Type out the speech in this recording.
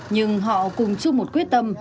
nhưng họ cùng chung một quyết tâm